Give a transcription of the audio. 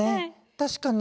確かに。